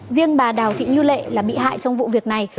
riêng bà đào thị như lệ là bị hại trong vụ việc này